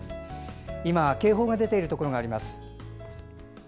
今、警報が出ているところがあります。